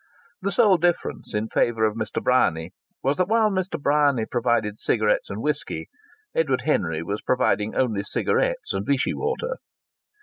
The sole difference in favour of Mr. Bryany was that while Mr. Bryany provided cigarettes and whisky, Edward Henry was providing only cigarettes and Vichy water.